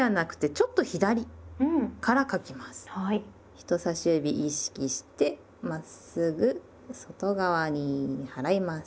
人さし指意識してまっすぐ外側に払います。